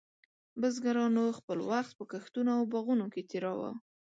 بزګرانو خپل وخت په کښتونو او باغونو کې تېراوه.